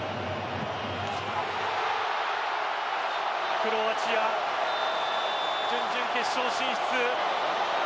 クロアチア準々決勝進出。